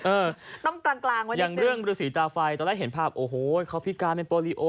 เออต้องกลางกลางไว้อย่างเรื่องฤษีตาไฟตอนแรกเห็นภาพโอ้โหเขาพิการเป็นโปรลีโอ